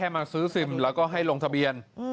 มาซื้อซิมแล้วก็ให้ลงทะเบียน